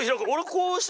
こうして？